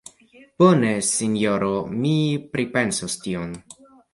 Bone, sinjoro; mi pripensos tion.